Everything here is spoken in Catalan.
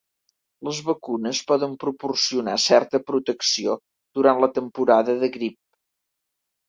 Les vacunes poden proporcionar certa protecció durant la temporada de grip.